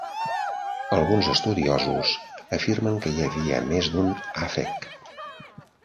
Alguns estudiosos afirmen que hi havia més d'un Aphek.